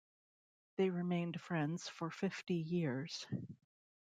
They remained friends for fifty years.